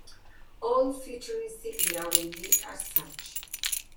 All future insignia will meet as such.